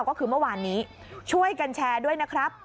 ก็คือเมื่อวานนี้ช่วยกันแชร์ด้วยนะครับ